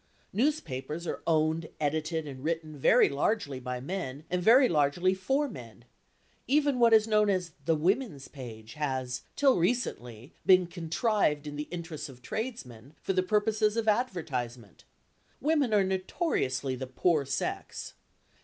Newspapers are owned, edited and written very largely by men and very largely for men; even what is known as the Woman's Page has, till recently, been contrived in the interests of tradesmen, for purposes of advertisement. Women are notoriously the poor sex.